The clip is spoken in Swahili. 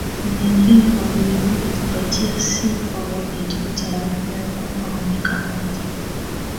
mwingine waliweza kujipatia sifa wakitoa taarifa ya kwamba wamekamata